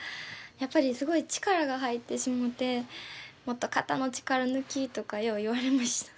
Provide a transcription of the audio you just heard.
やっぱりすごい力が入ってしもて「もっと肩の力抜き」とかよう言われました。